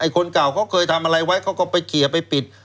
คนเก่าเขาเคยทำอะไรไว้เขาก็ไปเคลียร์ไปปิด